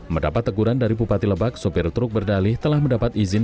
mendapat teguran dari bupati lebak sopir truk berdalih telah mendapat izin